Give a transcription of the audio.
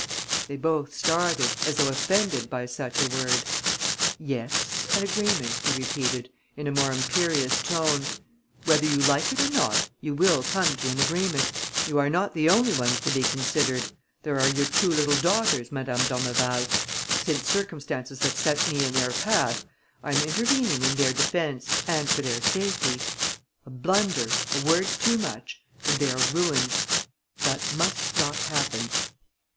They both started, as though offended by such a word. "Yes, an agreement," he repeated, in a more imperious tone. "Whether you like it or not, you will come to an agreement. You are not the only ones to be considered. There are your two little daughters, Madame d'Ormeval. Since circumstances have set me in their path, I am intervening in their defence and for their safety. A blunder, a word too much; and they are ruined. That must not happen."